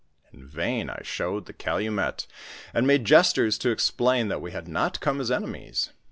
In vain I showed the calumet, and made gestures to explain that we had not come as ene^ mies.